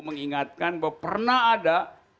mengingatkan bahwa pernah ada